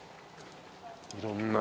いろんな。